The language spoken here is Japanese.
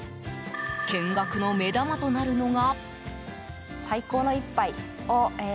見学の目玉となるのが。